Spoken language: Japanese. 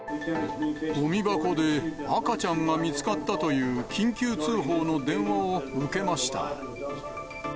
ごみ箱で赤ちゃんが見つかったという緊急通報の電話を受けました。